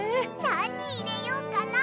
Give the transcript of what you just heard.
なにいれようかな？